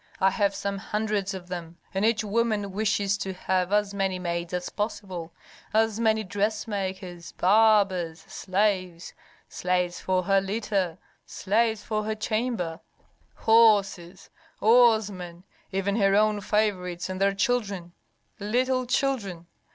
I have some hundreds of them, and each woman wishes to have as many maids as possible, as many dressmakers, barbers, slaves, slaves for her litter, slaves for her chamber, horses, oarsmen, even her own favorites and their children Little children!